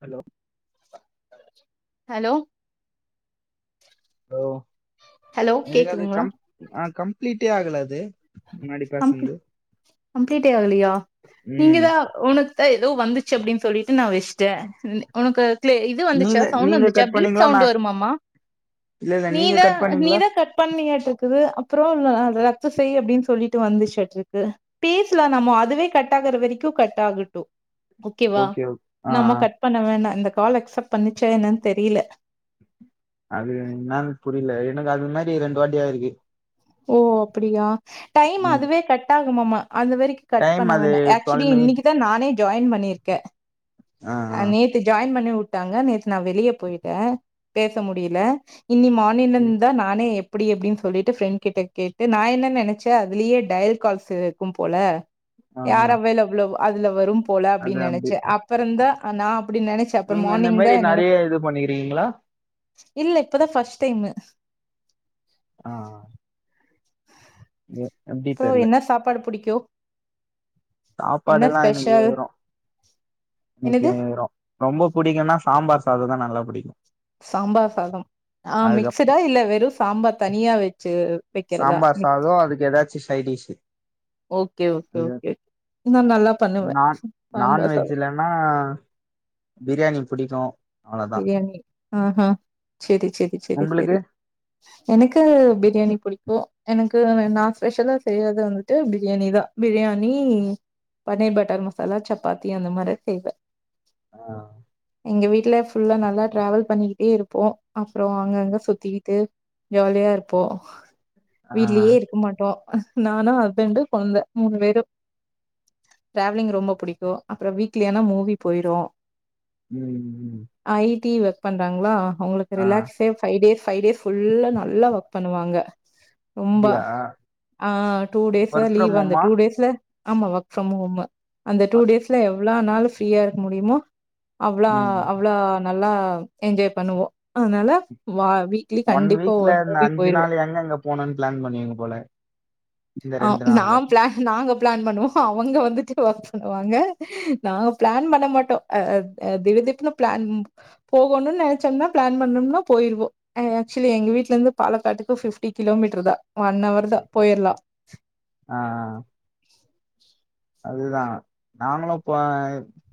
Hello hello hello hello எனக்கது கேக்குதுங்களா கம் ஆ கம் ப்ளீட்டே ஆகல அது முன்னாடி கம்ப்ளி பேசுனது கம்ப்ளீட்டே ஆகலையா நீங்க ம் தா ஒனக் தா எதோ வந்து ச்சு அப்டின் சொல்லிட்டு நா வச்ட்டே ஒனக்க க்ளே இது வந்துச்சா நீங்க சவுண்ட் நீங்க வந்துச்சா கட் பீப் பண்ணீங்களா நா சவுண்டு வருமாமா இல்ல இல்ல நீங்க நீதா கட் பண்ணீங்களா நீதா கட் பண்ணியாட்ருக்குது அப்புறொ [unintelligible] எதாச்சு செய் அப்டின் சொல்லி ட்டு வந்துச்சாட்ருக்கு பேசலா நம்ம அதுவே கட் ஆகுற வரைக்கு கட் ஆகட்டு ஓகேவா ஓகே ஓகே ஆ நம்ம ஆ கட் பண்ண வேணா இந்த கால் அக்ஸப் பண்ணுச்சா என்னன் தெரியல அது என்னான் புரில எ னக்கு அது மாரி ரெண்டு வாட்டி ஆயிருக்கு ஓ அப்புடியா டைம் ம் அதுவே கட் ஆகுமமா அதுவரிக்கு கட் டைம் பண்ண அது வேணா ஆக்ச்சுலி டுவெல் மினிட் இன்னிக்கிதா நானே ஜாயின் பண்ணியிருக்கே ஆ நேத்து ஜாயின் பண்ணி உட் டாங்க நேத்து நா வெளிய போயிட்டே பேச முடியில இன்னி ம் மானிலெந்தா நானே இப்டி எப்டின் சொல்லிட்டு ஃப்ரெண்ட் கிட்ட கேட்டு நா என்ன நெனச்சே அதுலயே டயல் கால்ஸ் இருக்கும் போல ஆ ஆ யார் அவைலபுலோவ அதுல வரும் போல அது அப்டின் அப்டி நெனச்சே அப்புறந்தா அ நா நீங்க இந்த மாரி நெறைய இது பண்ணிக்கிறீங்ளா இல்ல இப்பதா ஃபஸ்ட் டைமு ஆ ஆ அப்றோ என்ன சாப்பாடு புடிக்கு? என்ன சாப்பாடல்லா எனக்கு ஸ்பெஷல் [unintelligible] எனக்கு என்னது ரொ ரொம்ப புடிக்குன்னா சாம்பார் சாதொதா நல்லா புடிக்கு சாம்பார் சாதம் ஆ மிக்ஸுடா இல்ல வெறு சாம்பார் தனியா வச்சு வைக்கிறதா சாம்பார் சாதோ அதுக்கு எதா ச்சு ஸைடீஷு ஓகே ஓகே ஓகே நா நல்லா பண்ணுவே நான் சாம்பார் சாதம் நான்வெஜ்லன்னா பிரியாணி புடிக்கு அவ்ளோதா பிரியாணி ஆஹ செரி செரி செரி செரி உங்களுக்கு எனக்கு பிரியாணி புடிக்கு எனக்கு நா ஸ்பெஷலா செய்றது வந்துட்டு பிரியாணி தா பிரியாணி பன்னீர் பட்டர் மசாலா சப்பாத்தி அந்த மாரி செய்வே ஆ எங்க வீட்ல ஃபுல்லா நல்லா ட்ராவல் பண்ணிக்கிட்டே இருப்போ அப்றொ அங்கங்க சுத்திக்கிட்டு ஜாலியா இருப்போ ஆ வீட்லயே இருக்க மாட்டோ நானு ஹஸ்பண்டு கொழந்த மூணு பேரு ட்ராவ்லிங் ரொம்ப புடிக்கு அப்ற வீக்லியானா மூவி போயிருவோ ம் ம் ஐ டி ஒர்க் பண்றாங்ளா அவுங்களுக்கு ஆ ரிலாக்ஸே ஃபைவ் டே ஃபைவ் டே ஃபுல்லா நல்லா வக் பண்ணுவாங்க ரொம்ப அப்டியா ஆ two days work leave from அந்த ஹோமா டூ டேஸ்ல ஆமா ஒர்க் ஃப்ரம் ஹோமு அந்த டூ டேஸ்ல எ வ்ளாநாளு ஃப்ரீயா இருக்க முடியிமோ அவ்ளா ம் அவ்ளா நல்லா என்ஜாய் பண்ணுவோ அத்னால வா வீக்லி ஒன் கண்டிப்பா வீக்ல ஒரு இந்த மூவி அஞ்சு போயிருவோ நாள் எங்க எங்க போனுன் ப்ளான் பண்ணுவீங்க போல இந்த ஆ ரெண்டு நா நாள்ல ப்ளான் நாங்க ப்ளான் பண்ணுவோ அவுங்க வந்துட்டு ஒர்க் பண்ணுவாங்க நாங்க ப்ளான் பண்ண மாட்டோ அ திடு திப்னு ப்ளான் போகணுன் நெனச்சம்னா ப்ளான் பண்ணம்னா போயிருவோ ஆக்சுவலி எங்க வீட்லெந்து பாலக்காட்டுக்கு ஃபிப்டி கிலோமீட்ரு தா ஒன் அவர் தா போயிர்லா [unintelligible] ஆ அ அ [inaudible] அதுதா நாங்களு போ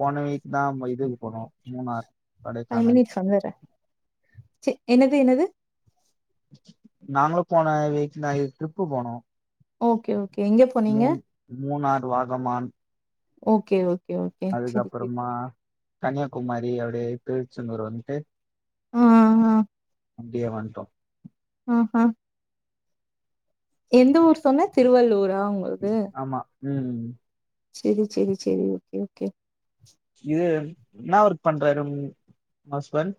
போன வீக் தா இதுக்கு போனோ மூணார் ஃபைவ் கொடைக்கானல் மினிட்ஸ் வந்தர்றே செ என்னது என்னது நாங்களு போன வீக் [unintelligible] ட்ரிப்பு போனோ ஓகே ஓ மூன் Munnar Vagamon okay okay okay செரி [inaudible] அதுக்கப்புறமா கன்னியாகுமாரி அப்டியே திருச்செந்தூர் வந்துட்டு ஆ ஆ அப்டியெ வன்ட்டோ ஆஹ எந்த ஊர் சொன்ன திருவள்ளூரா உங்கள்து ஆமா ம் சேரி சேரி சேரி ஓகே ஓகே இது என்னா ஒர்க் பண்றாரு உங் husband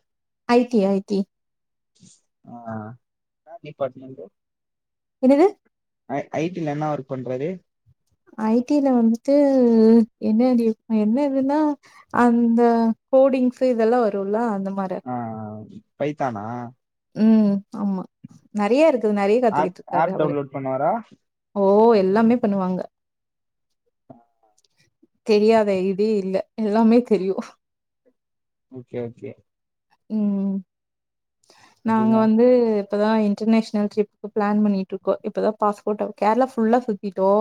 I T I T ஆ என்னா‌ டிபார்ட்மென்ட்டு என்னது ஐ ஐ டி ல என்ன ஒர்க் பண்றாரு ஐ டில வந்துட்டு என்னடி என்னதுன்னா அந்த கோடிங்ஸு இதெல்லா வருல்ல அந்த மார ஆ பைத்தானா ம் ஆமா நெறைய இருக்குது நெறைய ஆப் கத்துக்கிட்ருக்காரு ஆப் அவரு டவுன்லோட் பண்ணுவாரா ஓ எ ல்லாமே பண்ணுவாங்க ஆஹ் தெரியாத இதே இல்ல எல்லாமே தெரியு ஓகே ஓகே ம் நாங்க அதுதா வந்து இப்பதா இன்டர்நேஷ்னல் ட்ரிப்க்கு ப்ளான் பண்ணிட்ருக்கோ இப்பதா பாஸ்போட்ட கேரளா ஃபுல்லா சுத்திட்டோ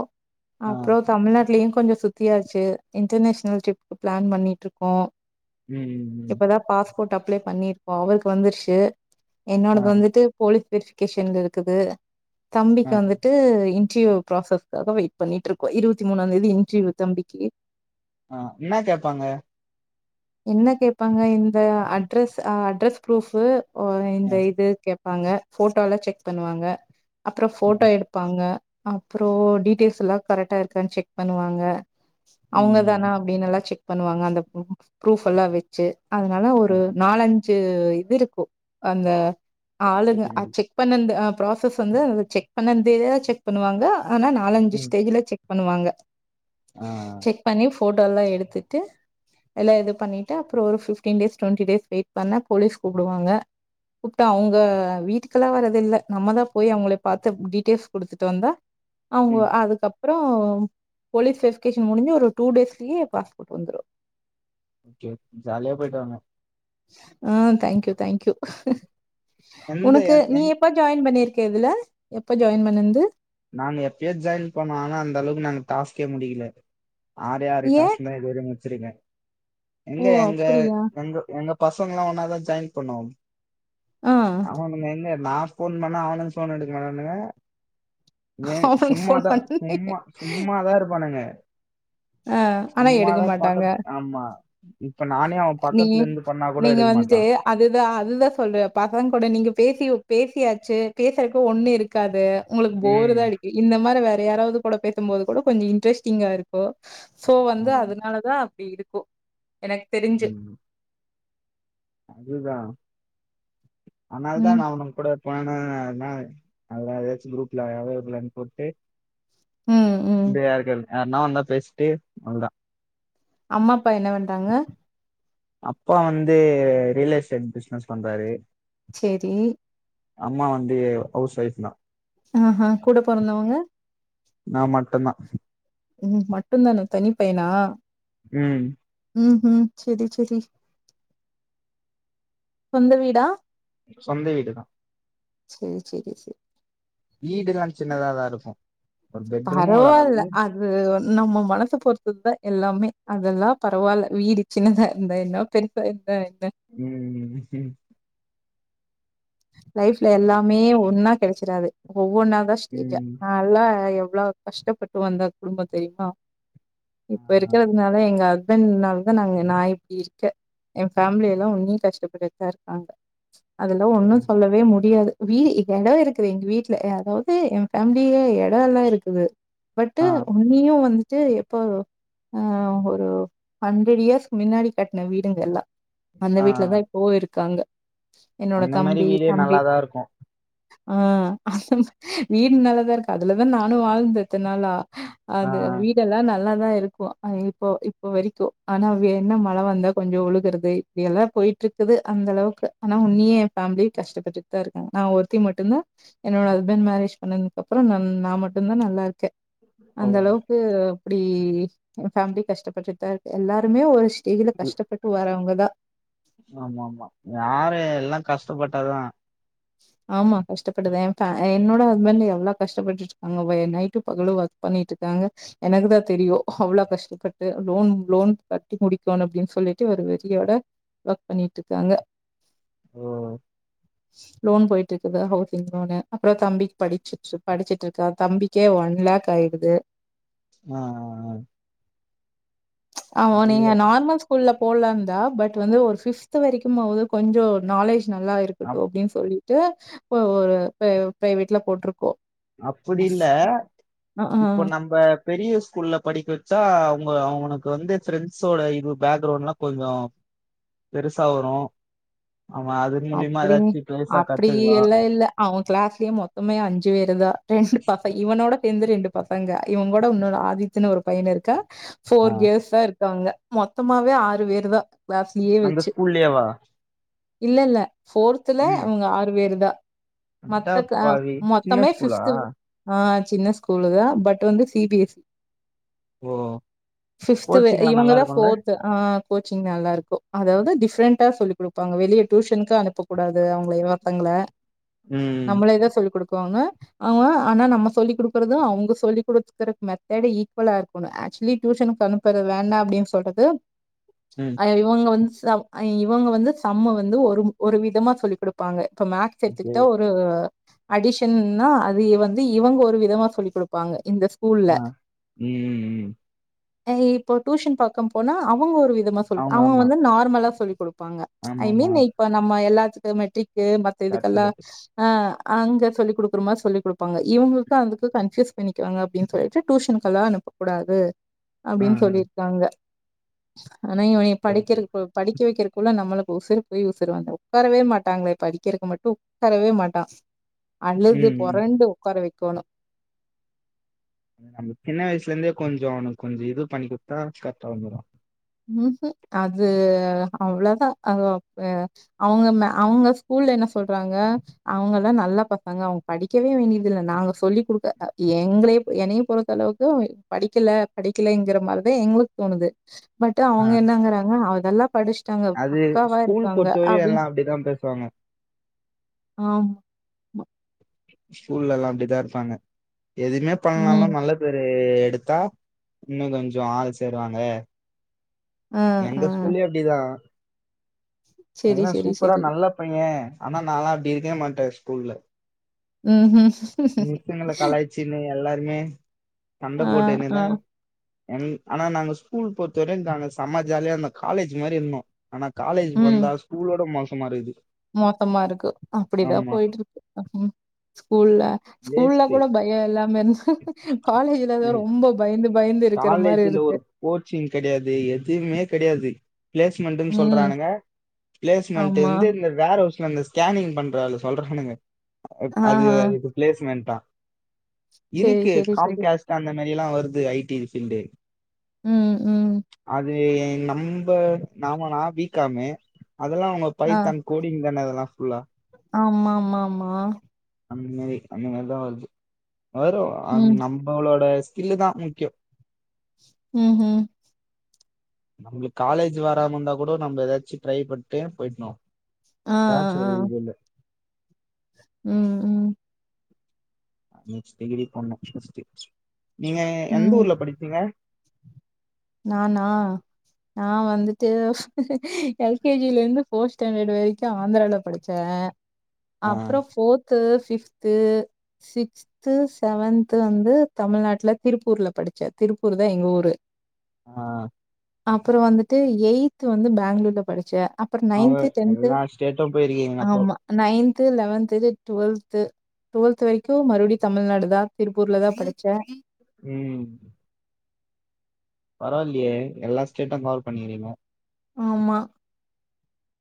ஆ அப்றொ தமிழ்நாட்லயு கொஞ்சொ சுத்தியாச்சு இன்டர்நேஷ்னல் ட்ரிப்க்கு ப்ளான் பண்ணிட்ருக்கோ ம் ம் ம் போட் அப்ளை பண்ணி இருக்கோ அவருக்கு வந்துருச் சு ஆ என்னோடது வந்துட்டு போலி வெரிஃபிகேஷன்ல இருக்குது ஆ தம்பிக்கு வந்துட்டு‌ இன் ட்ரிவ்யூ ப்ராசஸ்க்காக வெயிட் பண்ணிட்ருக்கோ இருவத்தி மூணாந்தேதி இன்டர்வியூ தம்பிக்கி ஆ என்னா கேப்பாங்க என்ன கேப்பாங்க இந்த அட்ரஸ் அட்ரஸ் ப்ரூஃபு ஓ ஆ இந்த இது கெ ப்பாங்க ஃபோட்டோல்லா செக் பண்ணுவாங்க அப்ற ஆ ஃபோட்டோ எடுப்பாங்க அப்றோ டீட்டெய்ல்ஸ் எல்லா கரெக்டா இருக்கான் செக் பண்ணுவாங்க ம் அவுங்க தானா ம் அப்டின்னெல்லா செக் பண்ணுவாங்க அந்த ப்ரூஃபல்லா வச்சு அதுனால ஆ ஒரு நால ஞ்சு இது இருக்கு அந்த ஆளுங்க ப்ராசஸிங் அ செக் பண்ணன்து அ ப்ராசஸ் வந்து செக் பண்ணந்தேதா செக் பண்ணுவாங்க ஆனா நாலஞ்சு ம் ஸ்டேஜுல செக் பண்ணுவாங்க ஆ செக் பண்ணி ஃபோட்டோல்லா எடுத்துட்டு எல்லாம் இது பண்ணிட்டு அப்றோ ஒரு fifteen days twenty days wait பண்ணா போலீஸ் கூப்டுவாங்க கூப்ட்டா அவுங்க வீட்டுக்கல்லா வர்றதில்ல நம்ம தா போய் அவுங்களை பாத்து டீட்டெயில்ஸ் குடுத்துட்டு வந்தா அவுங்க ம் அதுக்கப் ப்றோ போலீஸ் வெரிஃபிகேஷன் முடுஞ்சு ஒரு டூ டேஸ்லயே பாஸ்போட் வந்துரு ஓகே ஜாலியா போய்ட்டு வாங்க ஆ தேங்க்யூ தேங்க் யூ எந்த ஒனக்கு எந் நீ எப்ப ஜாயின் பண்ணிரு க்க இதுல எப்ப ஜாயின் பண்ணன்து? நாங்க எப்பயோ ஜாயின் பண்ணோ ஆனா அந்த அளவுக்கு நாங்க டாஸ்கே முடிக்கில ஆறே ஆறு ஏ டாக்ஸ்தா இதுவரையு முட் ச்சிருக்கே ஓ எங்க எங்க அப்டியா எங்க எங்க பசங்கல்லா‌ ஒன்னாதா ஜாயின் பண்ணோ ஆ ஆமா [unintelligible] நா ஃபோன் பண்ணா அவனுங் ஃபோன் எடுக்க மாட்டானுங்க ஏ அவனுக்கு ஃபோன் சும்மாதா பண்ண சும்மா சும்மாதா இருப்பானுங்க [inaudible] ஆ அனா எடுக்க சும்மாதா மாட்டாங்க பக்கத் ஆமா இப்ப நானே அவ நீ பக்கத்துல இருந்து பண்ணா கூட நீங்க எடுக்க மாட்டா வந்துட்டு அதுதான் அதுதான் சொல்ற பசங்க கூட நீங்க பேசி பேசியாச்சு பேசுறக்கு ஒண்ணு இருக்காது உங்களுக்கு ம் போருதா அடிக்கும் இந்த மாரி வே யாராவது கூட பேசும்போது கூட கொஞ்சம் இன்டரெஸ்டிங்கா இருக்கு போ சோ வந்து ம் அதனாலதான் அப்டி இருக்கு எனக்கு தெரிஞ்சு அதுதான் அனால தா ம் நா அவுனுங்க கூட போன அத ஏதாச்சும் குரூப்ல அவைலபிலா போட்டு ம் ம் [unintelligible] யாருன்னா வந்தா பேசிட்டு அவளோ தா அம்மா அப்பா என்ன பண்றாங்க அப்பா வந்து ரியல் எஸ்டேட் பிச்னஸ் பண்றாரு சேரி அம்மா வந்து ஹவுஸ் ஒஃப் தான் அ அ கூட போறந்தவங்க நா மட்டும் தா ம் மட்டும் தானா தனி பையனா ம் ம் ம் செரி செரி சொந்த வீடா சொந்த வீடு தான் செரி செரி செரி வீடு எல்லா சின்னதா தான் இருக்கும் ஒரு பெட்ரூமும் ஒரு பரவாயில்ல ஹாலு அது நம்ம மனச பொறுத்தது தா எல்லாமே அதெல்லா பரவாயில்ல வீடு சின்னதா இருந்தா என்ன பெருசா இருந்தா என்ன ம் ம் ம் லைஃப்ல அது எல்லாமே ஒன்னா கடைசிறது ம் ஒண்ணாதா‌ ஸ்டேஜா ம் நல்லா அவ்ளோ கஷ்டப்பட்டு வந்த குடும்பம் தெரியுமா ஆ இப்ப இருக்கிறதுனால எங்க அ ஹஸ்பண்ட்னால தா நாங்க நான் இப்படி இருக்கேன் என் ஃபேமிலி எல்லா இன்னும் கஷ்டப்பட்டுதா இருக்காங்க அதுல ஓ ஒன்னு முடியாது வீடு எடம் இருக்குது எங்க வீட்ல அதாது என் ஃபேமிலியே எடம் எல்லா இருக்குது பட் ஆ உன்னியும் வந் ட்டு எப்ப வரு ஆ ஒரு ஹண்ட்ரட் இயர்ஸ் மின்னாடி கட்ன வீடுங்க எல்லா அந்த ஆ வீட்லதா இப்பவு இருக்காங்க என்னோட தம்பி தம்பி நல்லாதா இருக்கு ஆ [inaudible] வீடு நல்லாதா இருக்கு அதுலதா நானு வாழ்ந்தே இத்தன் நாளா ஆ அது வீடெல்லா ந ல்லாதா இருக்கு இப்ப இப்ப வரைக்கு ஆனா வெ என்ன மழ வந்தா கொஞ்சொ ஒழுகுறது இப்டியெல்லா போயிட்ருக்குது அந்தளவுக்கு ஆனா உன்னியே என் ஃபேமிலி கஷ்டப்பட்டுட்தா இருக்காங்க நா ஒருத்தி மட்டுந்தா என்னோட ஹஸ்பண்ட் மேரேஜ் பண்ணனுக் அப்றோ நன் நா மட்டுந்தா நல்லாருக்கே ஓ அந்த அளவுக்கு அப்டி எ ஃபேமிலி கஷ்டப்பட்டுட்தா இருக்கு எல்லாருமே ஒரு ஷ் டேஜுல கஷ்டப்பட்டு வர்றவ்ங்க தா ஆமாமா யாரு எல்லா கஷ்டப்பட்டாதா ஆமா கஷ்டப்பட்டுதா எ ஃபே என்னோட ஹஸ்பண்ட் எவ்ளொ கஷ்டப்பட்டுட்ருக்காங்க வெ நைட்டு பகலு ஒர்க் பண்ணிட்ருக்காங்க எனக்குதா தெரியு அவ்ள கஷ்டப்பட்டு லோன் லோன் கட்டி முடிக்கனு அப்டின் சொல்லிட்டு ஒரு வெறியோட ஒர்க் பண்ணிட்ருக்காங்க ஓ லோன் போயிட்ருக்குது ஹவுசிங் லோனு அப்ற தம்பிக் படிச்சுட் படிச்சிட்ருக்கா தம்பிக்கே ஒன் லேக் ஆயிடுது ஆ ஆ ஆ ஆ ஓ நீங்க ஐயோ, நார்மல் ஸ் கூல்ல போல்லாந்தா பட் வந்து ஒரு ஃபிப்த் வரைக்குமாவுது கொஞ்சொ நாலேஜ் நல்லா இருக்கட்டு அப்- அப்டின் சொல்லி ட்டு ஒ ஒரு ப ப்ரைவேட்ல போட்ருக்கோ அப்பிடில்ல ஆ இப்பொ நம்ப பெரிய ஸ்கூல்ல படிக்க வச்சா அவுங்க அவனுக்கு வந்து ஃப்ரெண்ட்ஸோட இது பேக்ரவுண்ட்லா கொஞ்சொ பெருசா வரு அவ அது மூலியமா அப்டி ஏதாச்சு பெருசா அப்டி கத்துக்கலா எல்லா இல்ல அவ க்ளாஸ்லயே மொத்தமே அஞ்சு பேருதா ரெண்டு பச இவனோட சேந்து ரெண்டு பசங்க இவங்கூட உன்னொனு ஆதித்துனு ஒரு பையனிருக்கா ஃபோர் கேல்ஸ் தா இருக் காங்க மொத்தமாவே ஆறு பேர் தா அந்த ஸ்கூல்லயேவா இல்லெல்ல ஃபோர்த்துல ம் இவுங்க ஆறு பேரு தா மொத்த க்ளா அடப்பாவி சின்ன மொத்தமே ஸ்கூலா ஃபிஃப்த்து ஆ சின்ன ஸ்கூலுதா பட் வந்து சி பி எஸ் இ ஓ ஃபிஃப்த்து வ கோச்சிங்லா நல்லா இவுங்கதா இருக்குல்ல ஃபோர்த்து ஆ கோச்சிங் நல்லா இருக்கும் அதாவது டிஃப்ரெண்டா சொல்லி கொடுப்பாங்க வெளிய டியூஷனுக்கு அனுப்ப கூடாது அவங்கள இன்னோர்தாங்கல ம் நம்மளேதான் சொல்லி கொடுக்க அவ ஆனா நம்ம சொல்லி் கொடுக்குறதும் அவங்க சொல்லி் கொடுத்துக்கற மெத்தட ஈக்குவலா இருக்கணும் ஆக்சுவலி டியூஷனுக்கு அனுப்புறது வேண்டாம் அப்படின்னு சொல்றது ம் அதுல இவங்க வந்து சா இவங்க வந்து சம்ம வந்து ஒரு ஒரு விதமா சொல்லி் கொடுப்பாங்க இப்ப மேக்ஸ் ஓகே எடுத்துக்கிட்டா ஒரு அடிஷன்ன்னா அது வந்து இவங்க ஒரு விதமா சொல்லி் கொடுப்பாங்க இந்த ஸ்கூல்ல. ஆஹ் உம் உம் இப்போ ட்டியூஷன் பாக்க போனா அவங்க ஒரு விதி சுத்தமா சொல்லி அவங்க அவன் ஆமா வந்து நார்மலா சொல்லிக் கொடுப்பாங்க ஆமாமா மெயின்ல இருப்பாங்க எல்லாத்துக்கும் மெட்ரிக் மத்த கரெக்ட் இதுக்கெல்ல கரெக்ட் அஹ் அங்க சொல்லி கொடுக்குரோம்மா சொல்லி கொடுப்பாங்க இவங்களுக்கும் அதுக்கும் கன்ஃப்யூஸ் பண்ணிக்குவாங்க அப்படின்னு சொல்லிட்டு டியூஷனுக் எல்லாம் அனுப்ப கூடாது ஆ அப்படின்னு ஆ சொல்லிருக்காங்க [inaudible] ஆனா இவன படிக்கிற ஓகே படிக்க வைக்க ள்ள நம்மளு உஊசர் போய் உஊசர் வந்த உட்காரவே மாட்டாங்களே படிக்கிறதுக்கு மட்டும் உட்காரவே மாட்டான் அழுது ம் ம் புரண்டு உட்கார வை தோண நம்ம சின்ன வயசுல இருந்தே கொஞ்சம் அவனுக்கு கொஞ்சம் இது பண்ணி கொடுத்தா கரெக்டா வந்துருவான் ம் உம் அது அவ்வளவுதான் அவங்க அவங்க ஸ்கூல்ல என்ன சொல்றாங்க அவங்க எல்லாம் நல்லா பசங்க அவங்க படிக்கவே வேண்டியது இல்ல நாங்க சொல்லி் கொடுக்க எங்களே என்னைய பொறுத்த அளவுக்கு படிக்கல படிக்கலங்கிற மாதிரிதான் எங்களுக்கு தோணுது பட் ஆ அவங்க என்னங்கறாங்க [inaudible] அது பக்காவா ஸ்கூல் இருக்காங்க பொறுத்தவரையும் எல்லாம் அப்படிதான் பேசுவாங்க ஆம் ஸ்கூல்ல எல்லாம் அப்படிதான் இருப்பாங்க எதுவுமே ம். பண்ணனாலும் நல்ல பேரு எடுத்தா இன்னும் கொஞ்சம் ஆள் சேருவாங்க அ, எங்க அ. ஸ்கூல்லயே அப்படிதான் சரி, எல்லாம் சரி, சூப்பரா சரி. நல்ல பையன் ஆனா நலாம் அப்படி இருக்கவே மாட்டேன் ஸ்கூல்ல உம் உம் மிஸ்ங்கல கலாச்சின்னு எல்லாருமே சண்டை ஆ, போட்னே ஆ. தான் [unintelligible] ஆனா நாங்க ஸ்கூல் பொறுத்த வரையும் நாங்க சமாஜாலியா இருந்தோ காலேஜ் மாரி இருந்தோ ஆனா காலேஜ் ம். வந்தா ஸ்கூலோட மோசமா இருக்குது மோசமா இருக்கு. அப்டிதான் ஆமா போயிட்டு இருக்கு. [inaudible] ஸ்கூல்ல ஸ்கூல்ல வேஸ்ட்டு கூட பயோ இல்லாம இருந்த காலேஜ்லதா ரொம்ப பயந்து பயந்து இருக்கற மாரி காலேஜ்ல இருக்கு ஒரு கோச்சிங் கெடையாது எதுவுமே கெடையாது பிளேஸ்மெண்ட்ன்னு ம். சொல்றானுங்க பிளேஸ்மெண்ட் ஆமா. வந்து இந்த வேற ந்த ஸ்கேனிங் பண்றல அதுல சொல்றானுங்க அது ஆஹா. அதுக்கு பிளேஸ்மெண்டா சரி, இருக்கு சரி, காம் சரி. கேஸ்ட் அந்தம் மெரில்லா வருது ஐடி ஃபீல்டு ம், ம். அது ஏ என் நம்ப நாம நா பீ காம்மு அதெல்லா அவங்க பை தான் கோடிங் தான ஃபுல்லா ஆமா மா மா [unintelligible] அந்த மாரி தா வருது வரும் ம். நம்பளோட இல்லதா முக்யோ உம் உம் நம்ளுக்கு காலேஜ் வராம இருந்தா கூடோ நம்ம ஏதாச்சு ட்ரை பன்டு போயிட்ணு எதாச்சு ஒரு இதுல உம் உம் முச்சுட் டிகிரி போனு ஃபர்ஸ்ட்டு நீங்க எந்த ம். ஊர்ல படிச்சீங்க நானா நா வந்துட்டு எல்கேஜில இருந்து ஃபோர்த் ஸ்டாண்டர்ட் வரைக்கு ஆந்தரால படிச்சே ஆ அப்ரோ ஃபோர்த்து பிஃப்த்து சிக்ஸ்த்து செவன்த்து வந்து தமிழ்நாட்டுல திருப்பூர்ல படிச்சே திருப்பூர் தா எங்க ஊரு ஆ அப்புரோ வந்துட்டு எயி்த் வந்து பேங்ளூர்ல படிச்சே அப்ற அவ நைன்த்து டென்த்து எல்லா ஸ்டேட்டும் போயிருக்கீங்க அப்போ ஆமா நைன் லெவன்துது டுவெல்து டுவெல்த் வரைக்கு மறுபடியு தமிழ்நாடு தா திருப்பூர்ல தா படிச்சே உம் பரவாயில்லயே எல்லா ஸ்டேட்டும் ட்ராவல் பண்ணிறிங்கோ ஆமா